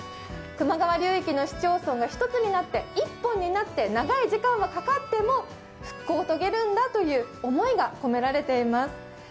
球磨川流域の市町村が一つになって１本になって長い時間がかかっても復興を遂げるんだという思いが込められています。